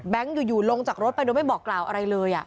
แบงค์อยู่ลงจากรถไปแล้วไม่บอกกล่าวอะไรเลยอะ